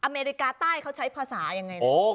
อเมริกาใต้เขาใช้ภาษายังไงนะ